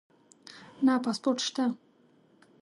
نه پاسپورټ شته